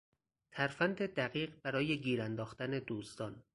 ترفند دقیق برای گیر انداختن دزدان